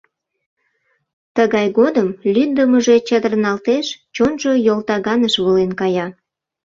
Тыгай годым лӱддымыжӧ чытырналтеш, чонжо йолтаганыш волен кая.